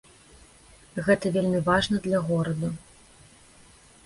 Гэта вельмі важна для горада.